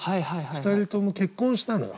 ２人とも結婚したのよ。